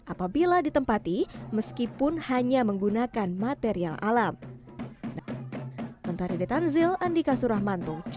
apabila ditempati meskipun hanya menggunakan material alam